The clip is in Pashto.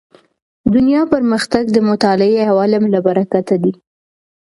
دنیا پرمختګ د مطالعې او علم له برکته دی.